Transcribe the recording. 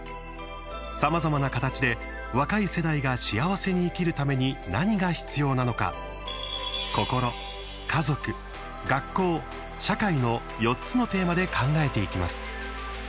さまざまな形で若い世代が幸せに生きるために何が必要なのか心、家族、学校、社会の４つのテーマで考えていきます。